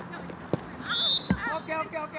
ＯＫＯＫＯＫ。